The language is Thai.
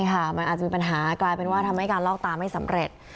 ใช่ค่ะมันอาจจะมีปัญหากลายเป็นว่าทำให้การลอกตาไม่สำเร็จ